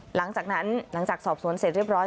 หลังจากนั้นหลังจากสอบสวนเสร็จเรียบร้อย